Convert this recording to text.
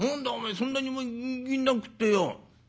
そんなに銀杏食ってよ